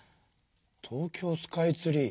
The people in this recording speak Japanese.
「東京スカイツリー」？